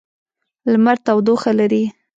لمر تودوخه لري.